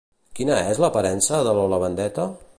Quina és l'aparença de Lola Vendetta?